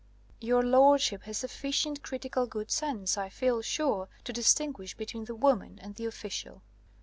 Your lordship has sufficient critical good sense, I feel sure, to distinguish between the woman and the official."